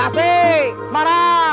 tasik tasik tasik